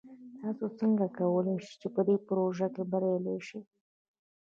تاسو څنګه کولی شئ چې په دې پروژه کې بریالي شئ؟